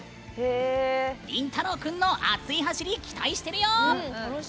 リンタロウ君の熱い走り期待してるよ！